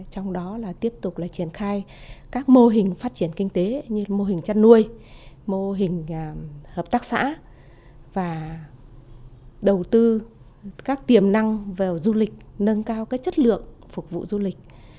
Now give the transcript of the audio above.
trong đó là tiếp tục là triển khai các mô hình phát triển kinh tế như mô hình chăn nuôi mô hình hợp tác xã và đầu tư các tiềm năng về du lịch nâng cao chất lượng phục vụ du lịch